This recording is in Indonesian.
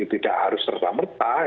tidak harus serta merta